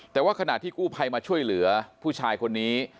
แต่ว่าขณะที่กู้ภัยมาช่วยเหลือผู้ชายคนนี้